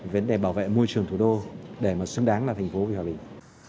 về vấn đề bảo vệ môi trường thủ đô để mà xứng đáng là thành phố hòa bình